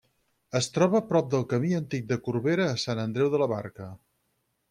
Es troba prop del camí antic de Corbera a Sant Andreu de la Barca.